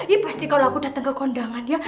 iya pasti kalo aku dateng ke kondangan ya